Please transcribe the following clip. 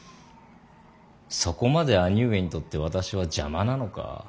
そこまで兄上にとって私は邪魔なのか。